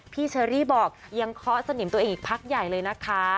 เชอรี่บอกยังเคาะสนิมตัวเองอีกพักใหญ่เลยนะคะ